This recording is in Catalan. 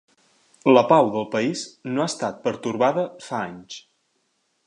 La pau del país no ha estat pertorbada fa anys.